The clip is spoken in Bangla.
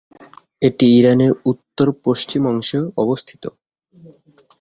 এটি ইরানের উত্তর-পশ্চিম অংশে অবস্থিত।